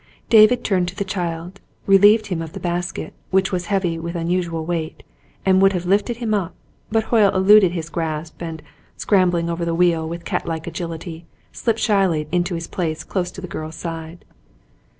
David turned to the child, relieved him of the basket, which was heavy with unusual weight, and would have lifted him up, but Hoyle eluded his grasp, and, scrambling over the wheel with catlike agility, slipped shyly into his place close to the girl's side.